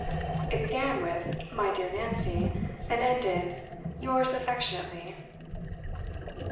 It began with 'My dear Nancy,' and ended, 'Yours affectionately.